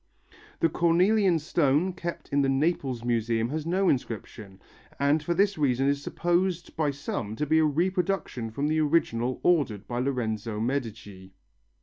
The cornelian stone kept in the Naples Museum has no inscription and for this reason is supposed by some to be a reproduction from the original ordered by Lorenzo Medici.